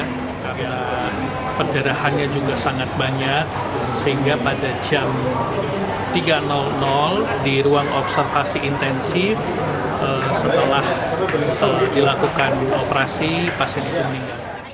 karena pendarahannya juga sangat banyak sehingga pada jam tiga di ruang observasi intensif setelah dilakukan operasi pasien itu meninggal